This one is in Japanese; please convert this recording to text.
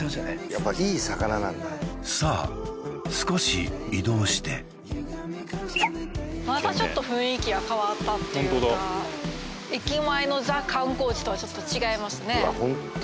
やっぱりいい魚なんださあ少し移動してまたちょっと雰囲気が変わったっていうか駅前のザ・観光地とはちょっと違いますね